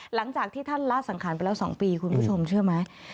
หลังจากที่ท่านละสังขารไปแล้ว๒ปีคุณผู้ชมเชื่อไหม